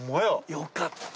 よかった。